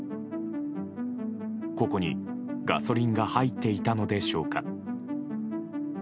ここにガソリンが入っていたのでしょうか。